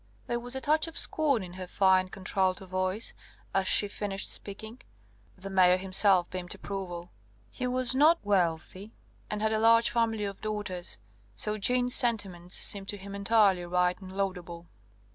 There was a touch of scorn in her fine contralto voice as she finished speaking; the Mayor himself beamed approval. He was not wealthy, and had a large family of daughters; so Jeanne's sentiments seemed to him entirely right and laudable.